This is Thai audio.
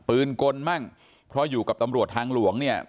กลมั่งเพราะอยู่กับตำรวจทางหลวงเนี่ย